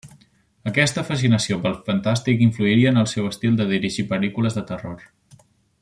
Aquesta fascinació pel fantàstic influiria en el seu estil de dirigir pel·lícules de terror.